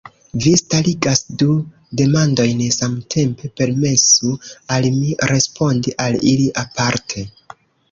Vi starigas du demandojn samtempe, permesu al mi respondi al ili aparte.